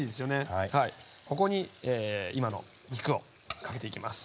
ここに今の肉をかけていきます。